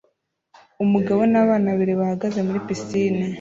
Umugabo nabana babiri bahagaze muri pisine